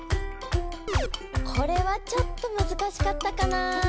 これはちょっとむずかしかったかな。